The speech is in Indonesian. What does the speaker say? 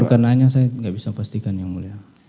untuk perkenaannya saya enggak bisa pastikan yang mulia